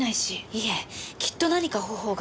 いえきっと何か方法が。